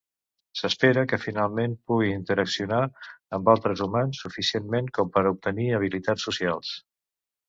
S'espera que finalment pugui interaccionar amb altres humans suficientment com per obtenir habilitats socials.